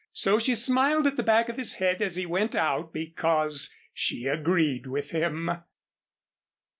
So she smiled at the back of his head as he went out because she agreed with him.